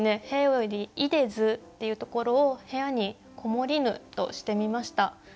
「部屋より出でず」っていうところを「部屋にこもりぬ」としてみました。